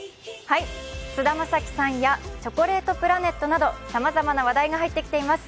菅田将暉さんやチョコレートプラネットなど、さまざまな話題が入ってきています。